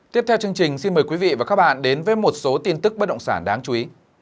tiếp theo chương trình xin mời quý vị và các bạn đến với một số tin tức bất động sản đáng chú ý